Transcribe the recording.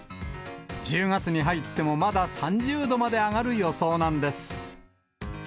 １０月に入っても、まだ３０度まで上がる予想なんです。